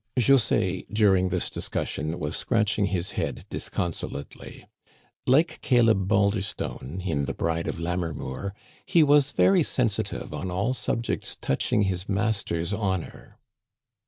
José, during this discussion, was scratching his head disconsolately. Like Caleb Balderstone, in The Bride of Lammermoor, he was very sensitive on all subjects touching his master's honor.